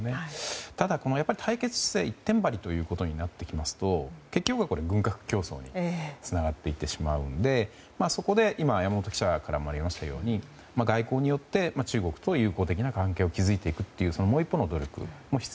ただ、対決姿勢一点張りとなってきますと結局は軍拡競争につながっていきますのでそこで山本記者からもありましたように外交によって中国との友好的な関係を築いていくというもう一方の努力も必要。